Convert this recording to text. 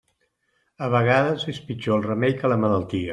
A vegades és pitjor el remei que la malaltia.